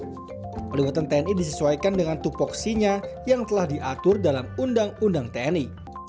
pada saat penyadapan tersebut pelibatan tni disesuaikan dengan tupok sinya yang telah diatur dalam undang undang tni